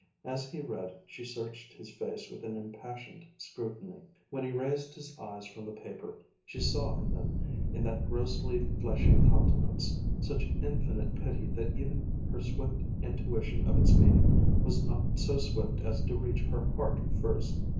As he read she searched his face with an impassioned scrutiny. When he raised his eyes from the paper, she saw in them, in that grossly fleshy countenance, such infinite pity that even her swift intuition of its meaning was not so swift as to reach her heart first.